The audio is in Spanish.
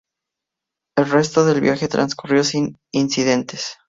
El resto del viaje transcurrió sin incidentes.